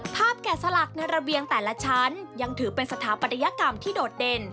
แกะสลักในระเบียงแต่ละชั้นยังถือเป็นสถาปัตยกรรมที่โดดเด่น